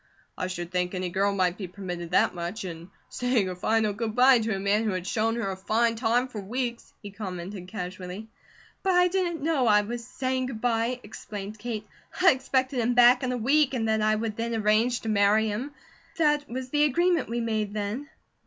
"I should thing any girl might be permitted that much, in saying a final good bye to a man who had shown her a fine time for weeks," he commented casually. "But I didn't know I was saying good bye," explained Kate. "I expected him back in a week, and that I would then arrange to marry him. That was the agreement we made then."